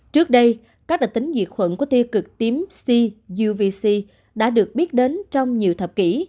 trước đây các đặc tính diệt khuẩn của tiêu cực tím c uvc đã được biết đến trong nhiều thập kỷ